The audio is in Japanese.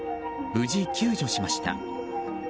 無事、救助しました。